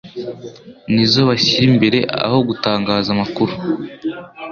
nizo bashyira imbere aho gutangaza amakuru